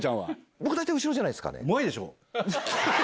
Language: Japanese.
僕大体後ろじゃないですかね。